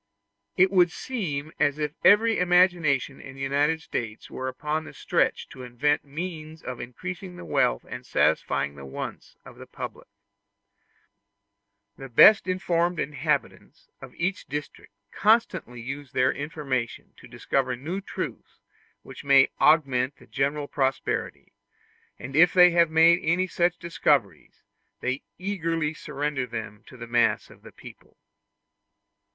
It would seem as if every imagination in the United States were upon the stretch to invent means of increasing the wealth and satisfying the wants of the public. The best informed inhabitants of each district constantly use their information to discover new truths which may augment the general prosperity; and if they have made any such discoveries, they eagerly surrender them to the mass of the people.